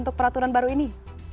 kemarin ada ppkm